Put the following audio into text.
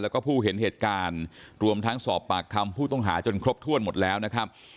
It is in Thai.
แล้วก็ผู้เห็นเหตุการณ์รวมทั้งสอบปากคำผู้ต้องหาจนครบถ้วนหมดแล้วนะครับ